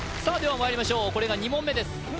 さあではまいりましょうこれが２問目です